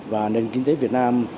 và nền kinh tế việt nam